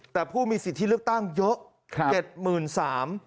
แต่ผู้มีสิทธิเลือกตั้งเยอะ๗๓๐๐บาท